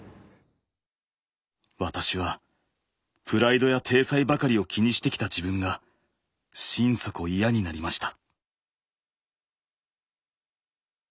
私はプライドや体裁ばかりを気にしてきた自分が心底嫌になりました。